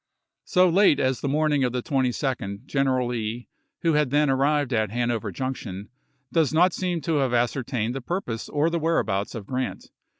So late as the morning of the 22d Gleneral Lee, May,i864. who had then amved at Hanover Junction, does not seem to have ascertained the purpose or the whereabouts of Glrant.